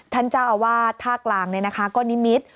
ท่านเจ้าอาวาสท่ากลางก็นิมิตร